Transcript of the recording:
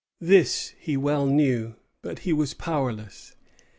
This he well knew; but he was powerless.